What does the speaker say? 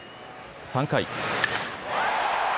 ３回。